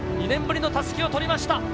２年ぶりのたすきを取りました。